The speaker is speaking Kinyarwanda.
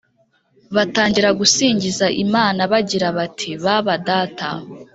batangira gusingiza Imana bagira bati baba data